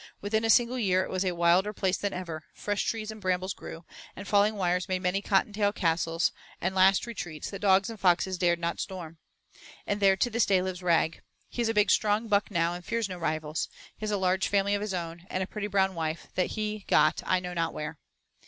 Within a single year it was a wilder place than ever; fresh trees and brambles grew, and falling wires made many Cottontail castles and last retreats that dogs and foxes dared not storm. And there to this day lives Rag. He is a big strong buck now and fears no rivals. He has a large family of his own, and a pretty brown wife that he got I know not where.